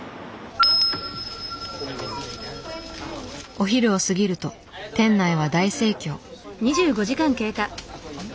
お昼を過ぎると店内は大盛況。